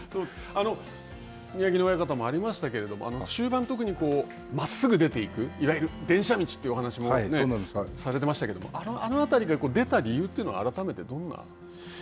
宮城野親方もありましたけども終盤、特にまっすぐ出ていく、いわゆる電車道というお話もされてましたけども、あの辺りが出た理由というのは、改めてどんな。